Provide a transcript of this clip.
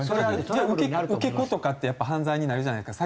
じゃあ受け子とかってやっぱ犯罪になるじゃないですか